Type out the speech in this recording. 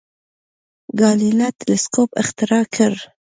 ګالیله تلسکوپ اختراع کړ.